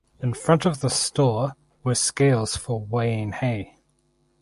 In front of the store were scales for weighing hay.